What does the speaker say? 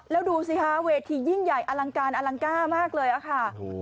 แล้วดูสิคะเวทียิ่งใหญ่อลังการอลังการมากเลยค่ะ